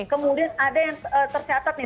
kemudian ada yang tercatat nih